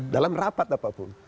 dalam rapat apapun